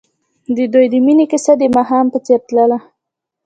د دوی د مینې کیسه د ماښام په څېر تلله.